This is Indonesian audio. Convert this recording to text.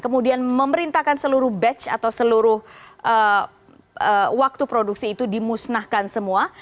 kemudian memerintahkan seluruh batch atau seluruh waktu produksi itu dimusnahkan semua